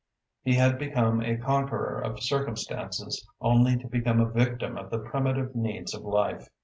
He had become a conqueror of circumstances only to become a victim of the primitive needs of life.